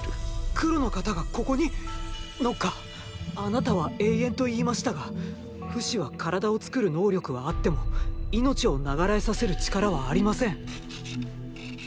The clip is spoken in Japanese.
黒の方がここに⁉ノッカーあなたは永遠と言いましたがフシは体を作る能力はあっても命を永らえさせる力はありません。